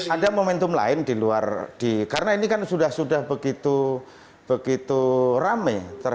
ada momentum lain di luar karena ini kan sudah sudah begitu rame